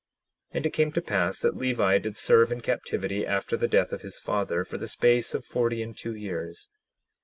10:15 And it came to pass that Levi did serve in captivity after the death of his father, for the space of forty and two years.